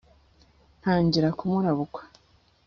ntangira kumurabukwa